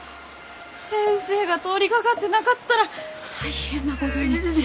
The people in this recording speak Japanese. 先生が通りかかってなかったら大変なごどに。